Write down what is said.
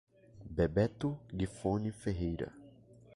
Bebeto Gifone Ferreira